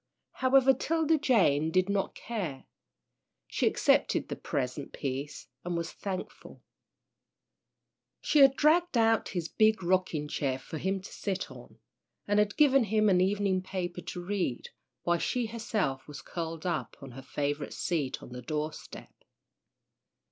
However, 'Tilda Jane did not care. She accepted the present peace and was thankful. She had dragged out his big rocking chair for him to sit on, and had given him an evening paper to read, while she herself was curled up on her favourite seat on the door step.